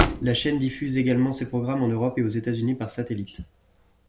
La chaîne diffuse également ses programmes en Europe et aux États-Unis par satellite.